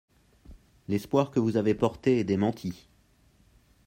L’espoir que vous avez porté est démenti.